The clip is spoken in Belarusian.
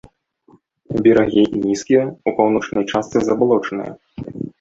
Берагі нізкія, у паўночнай частцы забалочаныя.